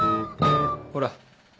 ほら。